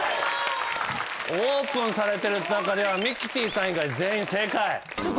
オープンされてる中ではミキティさん以外全員正解。